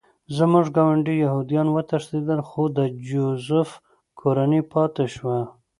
زموږ ګاونډي یهودان وتښتېدل خو د جوزف کورنۍ پاتې شوه